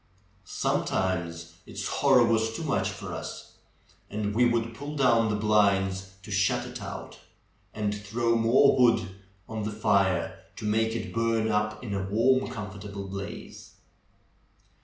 Sometimes its horror was too much for us, and we would pull down the blinds to shut it out, and throw more w'ood on the fire to make it burn up in a warm, comfortable blaze.